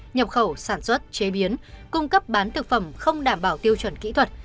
nhập khẩu sản xuất chế biến cung cấp bán thực phẩm không đảm bảo tiêu chuẩn kỹ thuật